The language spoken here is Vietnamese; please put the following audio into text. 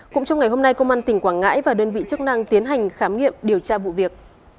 cũng trong ngày hôm nay công an tỉnh quảng ngãi và đơn vị chức năng tiến hành khám nghiệm điều tra vụ việc